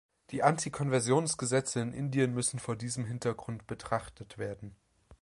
Die Anti-Konversionsgesetze in Indien müssen vor diesem Hintergrund betrachtet werden.